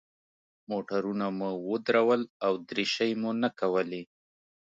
موټرونه مو ودرول او دریشۍ مو نه کولې.